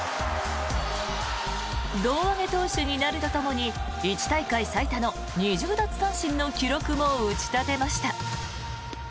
胴上げ投手になるとともに１大会最多の２０奪三振の記録も打ち立てました。